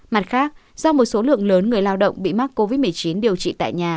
mặt khác do một số lượng lớn người lao động bị mắc covid một mươi chín điều trị tại nhà